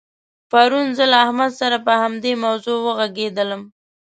پرون زه له احمد سره په همدې موضوع وغږېدلم.